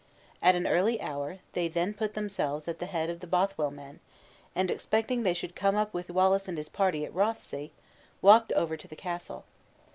At an early hour, they then put themselves at the head of the Bothwell men; and, expecting they should come up with Wallace and his party at Rothsay, walked over to the castle.